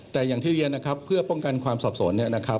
แต่อย่างที่เรียนนะครับเพื่อป้องกันความสับสนเนี่ยนะครับ